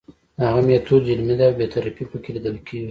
د هغه میتود علمي دی او بې طرفي پکې لیدل کیږي.